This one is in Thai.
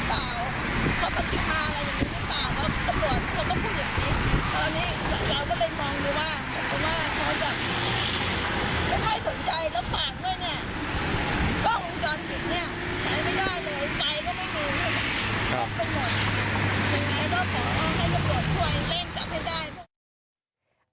มันเป็นหน่วยอย่างนี้ต้องขอให้ตำรวจช่วยเร่งจับให้ได้